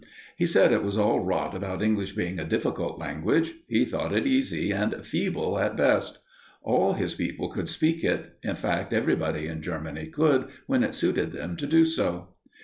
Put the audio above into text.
He said it was all rot about English being a difficult language. He thought it easy and feeble at best. All his people could speak it in fact, everybody in Germany could, when it suited them to do so.